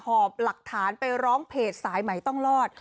หอบหลักฐานไปร้องเพจสายใหม่ต้องรอด